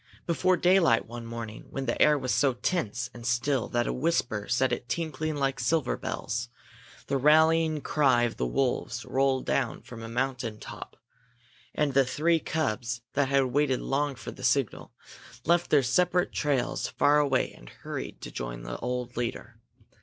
Before daylight one morning, when the air was so tense and still that a whisper set it tinkling like silver bells, the rallying cry of the wolves rolled down from a mountain top; and the three cubs, that had waited long for the signal, left their separate trails far away and hurried to join the old leader.